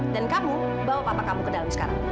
dan kamu bawa papa kamu ke dalam sekarang